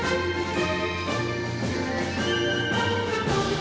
pemenangan peleg dan pilpres dua ribu dua puluh empat